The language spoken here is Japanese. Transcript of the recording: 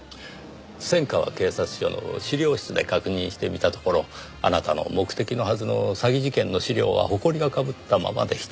千川警察署の資料室で確認してみたところあなたの目的のはずの詐欺事件の資料はホコリが被ったままでした。